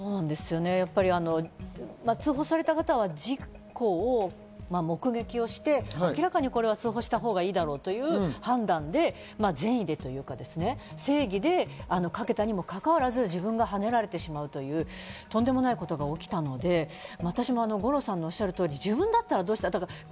通報された方は事故を目撃して、通報したほうがいいだろうという判断で善意でというか、正義でかけたにもかかわらず、自分がはねられてしまうという、とんでもない事が起きたので私も五郎さんのおっしゃる通り、自分だったらどうしたか。